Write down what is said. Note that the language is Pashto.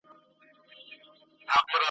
مسابقه په ځغاستو کي سيالي کولو ته ويل کيږي.